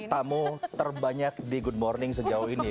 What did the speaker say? betul ada tamu terbanyak di good morning sejauh ini